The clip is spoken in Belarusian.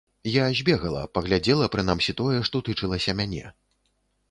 Я збегала, паглядзела, прынамсі тое, што тычылася мяне.